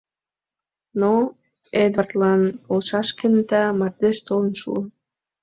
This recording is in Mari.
Но Эдвардлан полшаш кенета мардеж толын шуо».